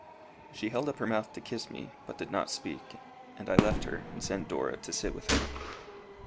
She held up her mouth to kiss me, but did not speak, and I left her, and sent Dora to sit with her.